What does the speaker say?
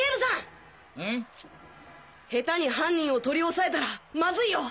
ヘタに犯人を取り押さえたらマズイよ！